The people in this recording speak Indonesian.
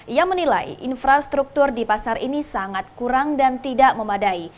ia menilai infrastruktur di pasar ini sangat kurang dan tidak memadai